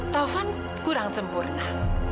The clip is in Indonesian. taufan kurang sempurna